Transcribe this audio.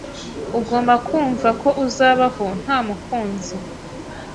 ugomba kumva ko uzabaho ntamukunzi